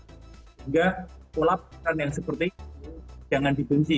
sehingga kolapsan yang seperti itu jangan di kunci